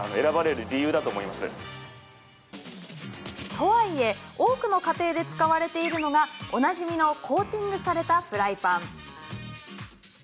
とはいえ多くの家庭で使われているのがおなじみのコーティングされたフライパン。